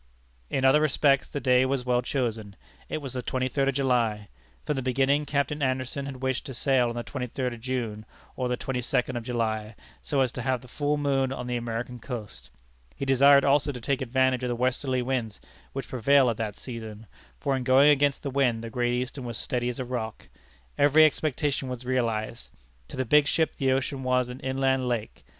In other respects the day was well chosen. It was the twenty third of July. From the beginning, Captain Anderson had wished to sail on the twenty third of June, or the twenty second of July, so as to have the full moon on the American coast. He desired also to take advantage of the westerly winds which prevail at that season, for in going against the wind the Great Eastern was steady as a rock. Every expectation was realized. To the big ship the ocean was as an inland lake.